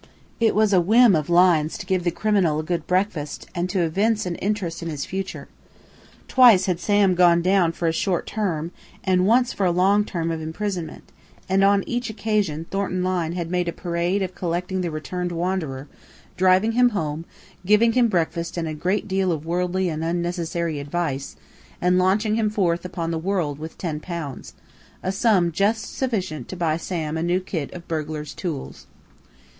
It was a whim of Lyne's to give the criminal a good breakfast and to evince an interest in his future. Twice had Sam gone down for a short term, and once for a long term of imprisonment, and on each occasion Thornton Lyne had made a parade of collecting the returned wanderer, driving him home, giving him breakfast and a great deal of worldly and unnecessary advice, and launching him forth again upon the world with ten pounds a sum just sufficient to buy Sam a new kit of burglar's tools.